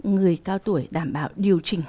người cao tuổi đảm bảo điều chỉnh